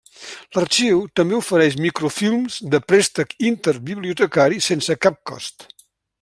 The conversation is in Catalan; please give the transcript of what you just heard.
L'arxiu també ofereix microfilms de préstec interbibliotecari sense cap cost.